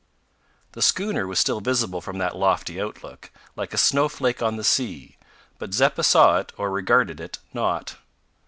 The schooner was still visible from that lofty outlook, like a snowflake on the sea; but Zeppa saw it, or regarded it, not.